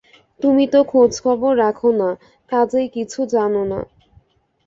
তুমি তো খোঁজখবর রাখ না, কাজেই কিছু জান না।